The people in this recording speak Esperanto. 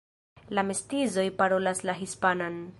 La mestizoj parolas la hispanan.